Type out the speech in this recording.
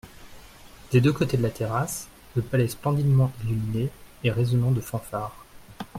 Des deux côtés de la terrasse, le palais splendidement illuminé et résonnant de fanfares.